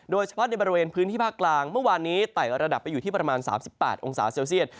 โดยเฉพาะในบริเวณพื้นที่ภาคกลางเมื่อวานนี้ไต่ระดับไปอยู่ที่ประมาณ๓๘องศาเซลเซียต